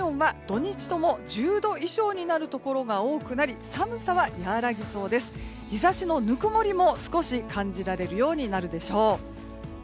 日差しのぬくもりも少し感じられるようになるでしょう。